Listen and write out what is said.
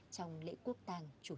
trong lễ quốc tàng chủ tịch nước